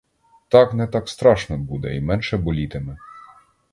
Так не так страшно буде і менше болітиме.